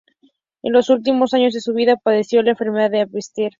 En los últimos años de su vida padeció la enfermedad de Alzheimer.